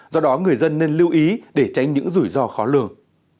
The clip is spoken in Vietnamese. do đó người dân nên lưu ý để tránh những rủi ro khó lường